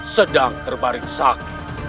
sedang terbaring sakit